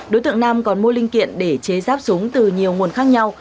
đối tượng nam còn mua linh kiện để chế ráp súng từ nhiều nguồn khác nhau